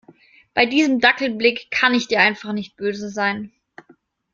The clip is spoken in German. Bei diesem Dackelblick kann ich dir einfach nicht böse sein.